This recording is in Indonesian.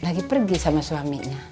lagi pergi sama suaminya